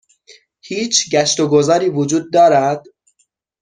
هیچ گشت و گذاری وجود دارد؟